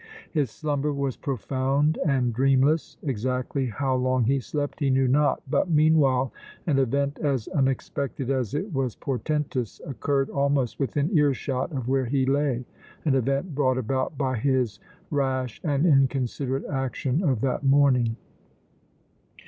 His slumber was profound and dreamless. Exactly how long he slept he knew not, but meanwhile an event as unexpected as it was portentous occurred almost within earshot of where he lay, an event brought about by his rash and inconsiderate action of that morning.